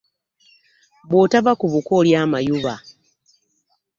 Bwotava ku buko olya amayuba .